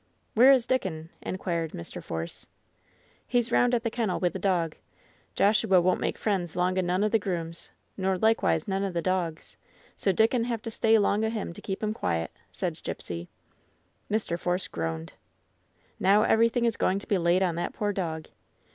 "Where is Dickon ?" inquired Mr. Force. "He's round at the kennel with the dog. Joshua won't make friends 'long o' none of the grooms, nor likewise none o' the doogs, so Dickon have to stay 'long o' him to keep him quiet," said Gipsy. Mr. Force groaned. "Now everything is going to be laid on that poor dog!